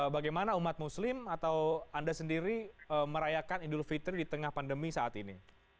bagaimana umat muslim atau anda sendiri merayakan idul fitri di tengah pandemi saat ini